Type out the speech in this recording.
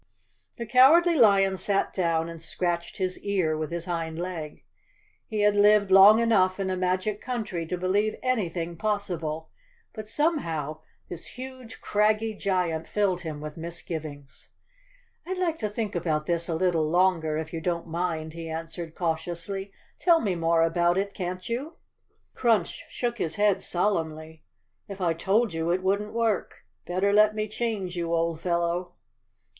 The Cowardly Lion sat down and scratched his ear with his hind leg. He had lived long enough in a magic country to believe anything possible, but somehow this huge, craggy giant filled him with misgivings. "I'd like to think about this a little longer, if you don't mind," he answered cautiously. "Tell me more about it, can't you?" Crunch shooks his head solemnly. "If I told you it 263 The Cowardly Lion of Oz _ wouldn't work. Better let me change you, old fellow."